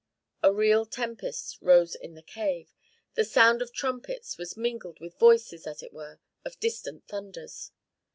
A real tempest rose in the cave. The sound of trumpets was mingled with voices, as it were, of distant thunders.